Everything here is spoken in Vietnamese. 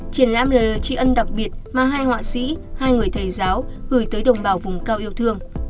triển lãm là lời tri ân đặc biệt mà hai họa sĩ hai người thầy giáo gửi tới đồng bào vùng cao yêu thương